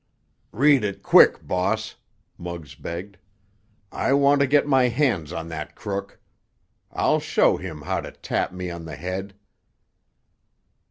"Read it, quick, boss!" Muggs begged. "I want to get my hands on that crook! I'll show him how to tap me on the head!"